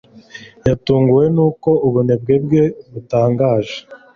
Yatunguwe nuko ubunebwe bwe butangaje.